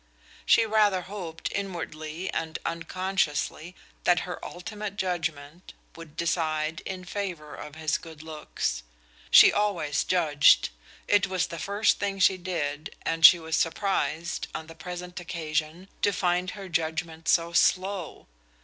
She rather hoped, inwardly and unconsciously, that her ultimate judgment would decide in favor of his good looks. She always judged; it was the first thing she did, and she was surprised, on the present occasion, to find her judgment so slow.